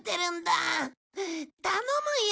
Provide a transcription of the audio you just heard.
頼むよ！